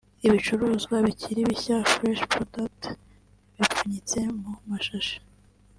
ibicuruzwa bikiri bishya (fresh products) bipfunyitse mu mashashi